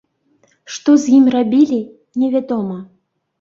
Што з ім рабілі, невядома.